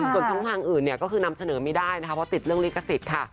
ส่วนช่องทางอื่นเนี่ยก็คือนำเสนอไม่ได้นะคะเพราะติดเรื่องลิขสิทธิ์ค่ะ